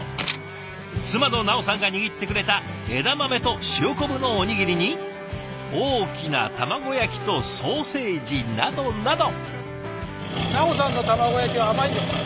妻のナオさんが握ってくれた枝豆と塩昆布のおにぎりに大きな卵焼きとソーセージなどなど。